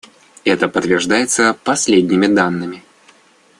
Это подтверждается последними данными.